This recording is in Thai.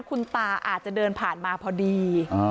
คุณตาอาจจะเดินผ่านมาพอดี